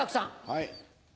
はい。